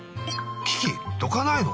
キキどかないの？